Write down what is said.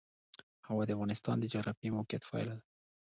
هوا د افغانستان د جغرافیایي موقیعت پایله ده.